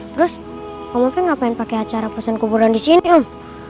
terus om ovi ngapain pake acara pesan kuburan di sini om